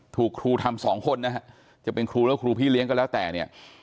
ครูทำสองคนนะฮะจะเป็นครูหรือครูพี่เลี้ยงก็แล้วแต่เนี่ย